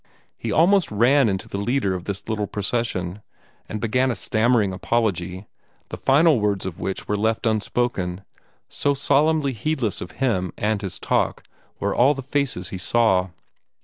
He almost ran into the leader of this little procession, and began a stammering apology, the final words of which were left unspoken, so solemnly heedless of him and his talk were all the faces he saw.